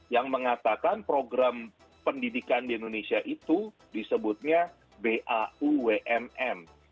yang mengatakan program pendidikan di indonesia itu disebutnya baumm